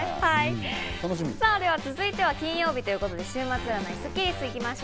さぁ続いては金曜日ということで、週末占いスッキりすに行きましょう。